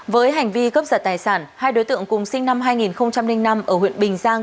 với hành vi cướp giật tài sản hai đối tượng cùng sinh năm hai nghìn năm ở huyện bình giang